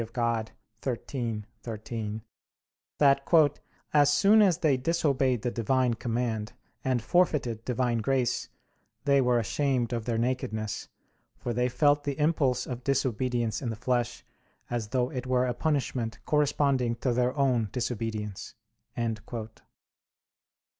Dei xiii, 13) that, "as soon as they disobeyed the Divine command, and forfeited Divine grace, they were ashamed of their nakedness, for they felt the impulse of disobedience in the flesh, as though it were a punishment corresponding to their own disobedience."